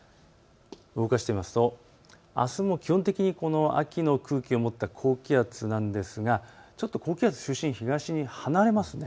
動かしてみますとあすも基本的にこの秋の空気を持った高気圧なんですがちょっと高気圧の中心が東に離れます。